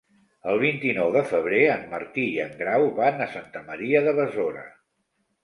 El vint-i-nou de febrer en Martí i en Grau van a Santa Maria de Besora.